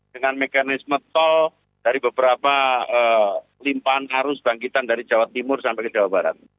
dengan mekanisme tol dari beberapa limpahan arus bangkitan dari jawa timur sampai ke jawa barat